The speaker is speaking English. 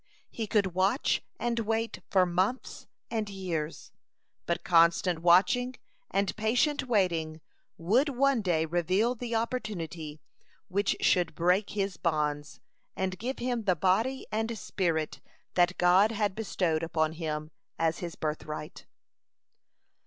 He could watch and wait for months and years, but constant watching and patient waiting would one day reveal the opportunity which should break his bonds, and give him the body and spirit that God had bestowed upon him as his birthright.